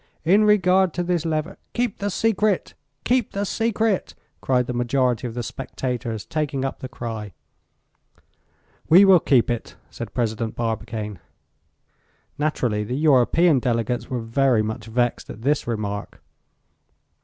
"In regard to this lever " "Keep the secret! keep the secret!" cried the majority of the spectators, taking up the cry. "We will keep it," said President Barbicane. Naturally, the European delegates were very much vexed at this remark.